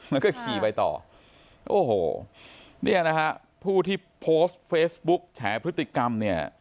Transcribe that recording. แล้วก็ขี่ไปต่อโอ้โหเนี่ยนะฮะผู้ที่โพสต์เฟซบุ๊กแฉพฤติกรรมเนี่ย